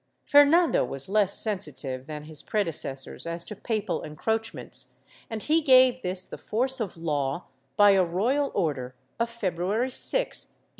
^ Fernando was less sensitive than his predecessors as to papal encroachments, and he gave this the force of law by a royal order of February 6, 1830.